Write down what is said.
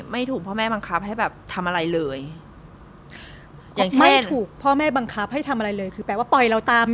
ไม่ถูกพ่อแม่บังคับให้ทำอะไรเลย